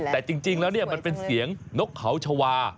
แต่จริงแล้วมันเป็นเสียงนกเขาชาวา